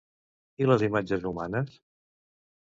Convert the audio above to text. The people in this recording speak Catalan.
I les imatges humanes?